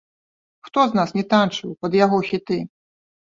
Хто з нас не танчыў пад яго хіты?